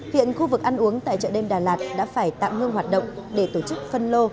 hiện khu vực ăn uống tại chợ đêm đà lạt đã phải tạm ngưng hoạt động để tổ chức phân lô